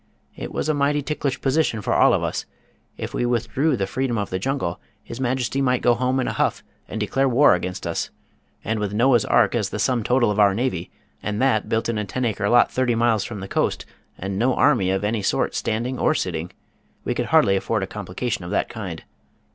It was a mighty ticklish position for all of us. If we withdrew the freedom of the jungle His Majesty might go home in a huff and declare war against us, and with Noah's Ark as the sum total of our navy, and that built in a ten acre lot thirty miles from the coast, and no army of any sort standing or sitting, we could hardly afford a complication of that kind.